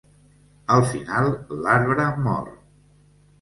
Al final, l'arbre mor.